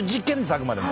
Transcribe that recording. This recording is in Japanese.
あくまでも。